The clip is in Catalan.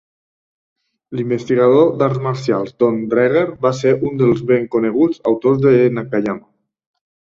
L'investigador d"arts marcials Donn Draeger va ser un dels ben coneguts autors de Nakayama.